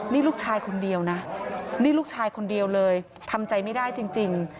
นี่ลูกชายคนเดียวนะนี่ลูกชายคนเดียวเลยทำใจไม่ได้จริง